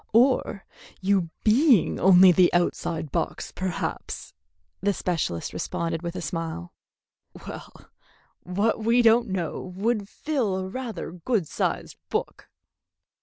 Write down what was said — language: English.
"Or you being only the outside box, perhaps," the specialist responded, with a smile. "Well, what we don't know would fill rather a good sized book."